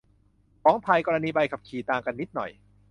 ของไทย กรณีใบขับขี่ ต่างกันนิดหน่อย